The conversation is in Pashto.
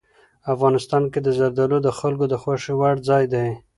افغانستان کې زردالو د خلکو د خوښې وړ ځای دی.